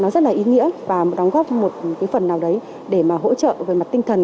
rất là ý nghĩa và đóng góp một phần nào đấy để hỗ trợ về mặt tinh thần